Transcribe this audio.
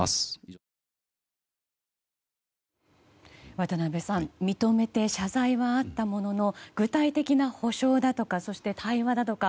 渡辺さん認めて謝罪はあったものの具体的な補償だとか対話だとか